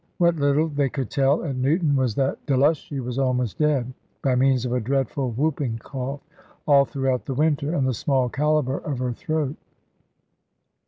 What little they could tell at Newton was that Delushy was almost dead, by means of a dreadful whooping cough, all throughout the winter, and the small caliber of her throat.